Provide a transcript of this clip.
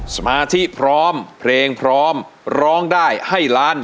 สมาธิพร้อมเพลงพร้อมร้องได้ให้ล้าน